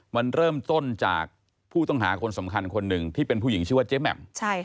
มันเริ่มต้นจากผู้ต้องหาคนสำคัญคนหนึ่งที่เป็นผู้หญิงชื่อว่าเจ๊แหม่ม